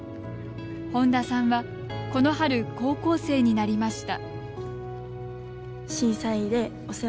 本多さんはこの春、高校生になりました。